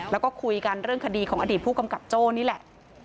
แล้วก็คุยกันเรื่องคดีของอดีตผู้กำกับโจ้นี่แหละ